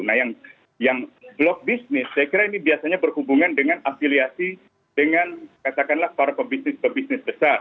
nah yang blok bisnis saya kira ini biasanya berhubungan dengan afiliasi dengan katakanlah para pebisnis pebisnis besar